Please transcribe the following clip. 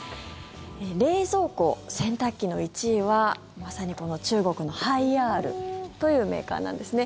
冷蔵庫、洗濯機の１位はまさに中国のハイアールというメーカーなんですね。